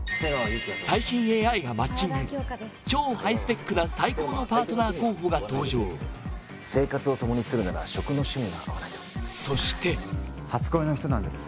最新ＡＩがマッチング超ハイスペックな最高のパートナー候補が登場生活をともにするなら食の趣味が合わないとそして初恋の人なんです